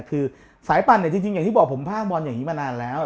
คือสายปั่นเนี่ยจริงอย่างที่บอกผมภาคบอลอย่างนี้มานานแล้ว